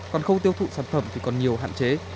còn khâu tiêu thụ sản phẩm thì còn nhiều hạn chế